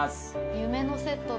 夢のセットだ。